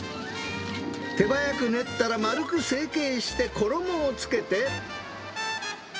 手早く練ったら丸く成形して衣をつけて。